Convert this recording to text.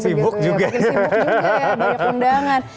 makin sibuk juga ya banyak undangan